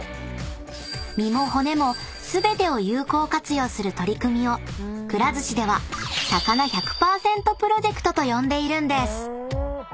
［身も骨も全てを有効活用する取り組みをくら寿司ではさかな１００％プロジェクトと呼んでいるんです］